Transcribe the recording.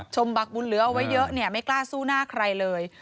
บักบุญเหลือเอาไว้เยอะเนี่ยไม่กล้าสู้หน้าใครเลย